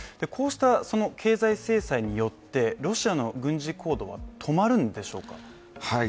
こうした経済制裁によって、ロシアの軍事行動は止まるんでしょうか？